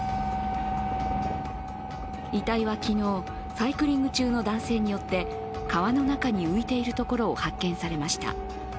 遺体は昨日、サイクリング中の男性によって川の中に浮いているところを発見されました。